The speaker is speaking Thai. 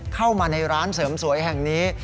เข้ามาในร้านเสริมสวยแห่งนี้